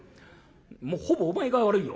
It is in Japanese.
「もうほぼお前が悪いよ